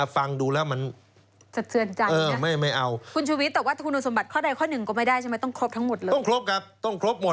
ฟังดูแล้วมัน